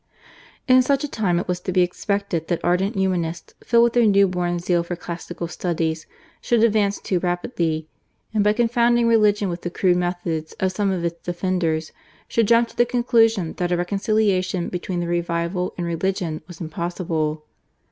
In such a time it was to be expected that ardent Humanists, filled with their new born zeal for classical studies, should advance too rapidly, and by confounding religion with the crude methods of some of its defenders should jump to the conclusion that a reconciliation between the revival and religion was impossible.